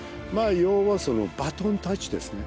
要はそのバトンタッチですね。